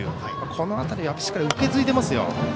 この辺り、しっかり受け継いでますよ。